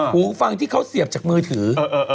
หูฟังที่เขาเสียบจากมือถือ